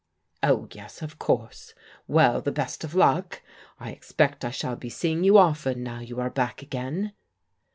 " Oh, yes, of course. Well, the best of luck ! I ex pect I shall be seeing you often now you are back again.'